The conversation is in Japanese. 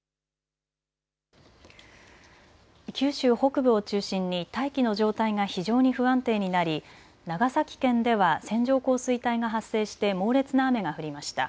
九州北部を中心に大気の状態が非常に不安定になり長崎県では線状降水帯が発生して猛烈な雨が降りました。